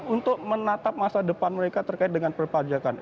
untuk menatap masa depan mereka terkait dengan perpajakan